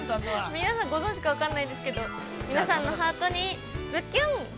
◆皆さんご存じか分からないですけれども、皆さんのハートにズキュン。